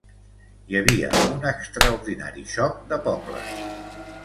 Hi havia un extraordinari xoc de pobles.